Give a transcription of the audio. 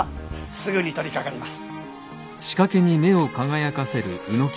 すぐに取りかかります。